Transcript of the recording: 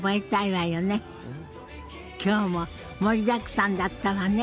今日も盛りだくさんだったわね。